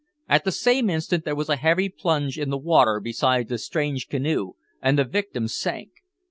At the same instant there was a heavy plunge in the water beside the strange canoe, and the victim sank.